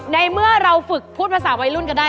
ในเมื่อเราฝึกพูดภาษาวัยรุ่นก็ได้